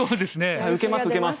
受けます受けます。